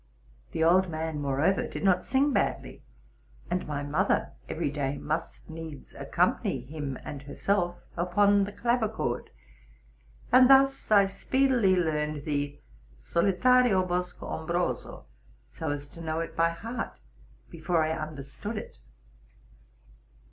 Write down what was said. The old man, moreover, did not sing badly, and my mother ev ery day must needs accom pany him and herself upon the clavichord; and thus I speedily learned the '+ Solitario bosco ombroso,'' so as to know it by heart before I understood it.